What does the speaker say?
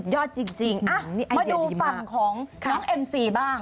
จริงมาดูฝั่งของน้องเอ็มซีบ้าง